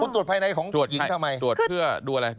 ตรวจภายในของตรวจหญิงทำไมตรวจเพื่อดูอะไร